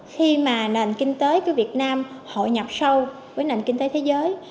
khi mà nền kinh tế của việt nam hội nhập sâu với nền kinh tế thế giới